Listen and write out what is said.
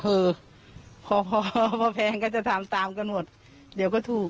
เออพอพอแพงก็จะทำตามกันหมดเดี๋ยวก็ถูก